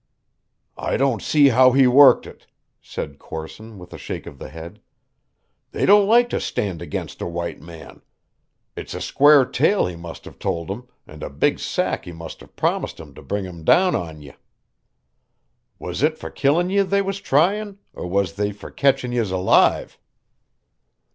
"I don't see how he worked it," said Corson with a shake of the head. "They don't like to stand against a white man. It's a quare tale he must have told 'em, and a big sack he must have promised 'em to bring 'em down on ye. Was it for killin' ye they was tryin', or was they for catchin' yez alive?"